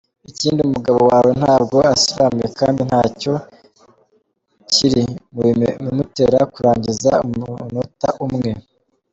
Ikindi umugabo wawe ntabwo asiramuye kandi nacyo kiri mu bimutera kurangiza umunota umwe.